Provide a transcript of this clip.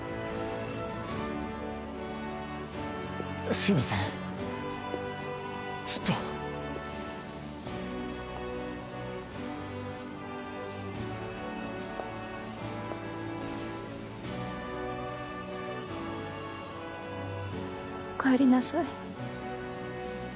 すいません、ずっとお帰りなさい。